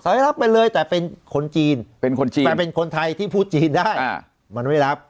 สายรับไปเลยแต่เป็นคนจีนแต่เป็นคนไทยที่พูดจีนได้มันไม่รับ